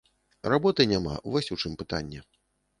Работы няма, вось у чым пытанне.